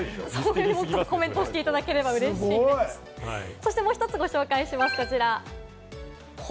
そしてもう一つご紹介しましょう、こちら。